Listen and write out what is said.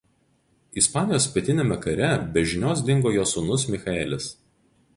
Ispanijos pilietiniame kare be žinios dingo jo sūnus Michaelis.